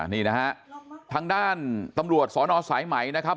นี่นะฮะทางด้านตำรวจสอนอสายไหมนะครับ